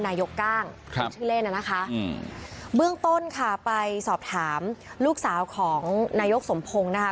นายกกล้างเป็นชื่อเล่นน่ะนะคะอืมเบื้องต้นค่ะไปสอบถามลูกสาวของนายกสมพงศ์นะคะ